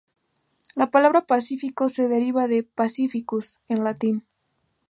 La palabra "Pacifico", se deriva de "pacificus" en Latín.